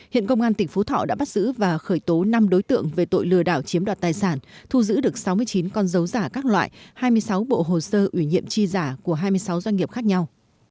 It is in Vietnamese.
hiện công an tỉnh phú thọ đã bắt giữ và khởi tố năm đối tượng về tội lừa đảo chiếm đoạt tài sản thu giữ được sáu mươi chín con dấu giả các loại hai mươi sáu bộ hồ sơ ủy nhiệm chi giả của hai mươi sáu doanh nghiệp khác nhau